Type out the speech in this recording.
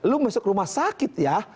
lu masuk rumah sakit ya